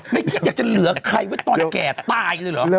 ไม่คิดอยากจะเหลือใครไว้ตอนแก่ตายเลยเหรอ